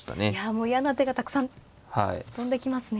もう嫌な手がたくさん飛んできますね。